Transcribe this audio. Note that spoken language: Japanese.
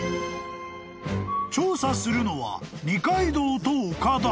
［調査するのは二階堂と岡田］